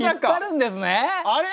あれ？